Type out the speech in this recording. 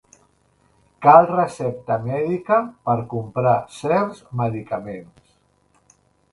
Cal recepta mèdica per comprar certs medicaments.